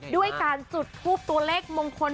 ด้วยการจุดทูปตัวเลขมงคล